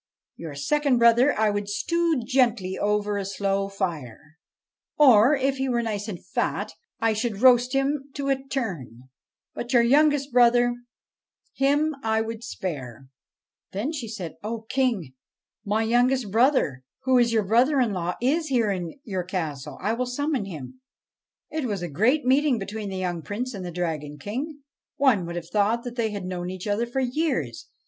Your second brother I would stew gently over a slow fire, or, if he were nice and fat, I should roast him to a turn ; but your youngest brother him I would spare.' Then said she, ' O King, my youngest brother, who is your brother in law, is here in your castle. I will summon him.' It was a great meeting between the young Prince and the Dragon King. One would have thought that they had known each other for years.